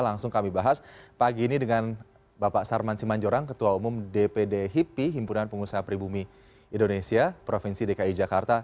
langsung kami bahas pagi ini dengan bapak sarman simanjorang ketua umum dpd hipi himpunan pengusaha peribumi indonesia provinsi dki jakarta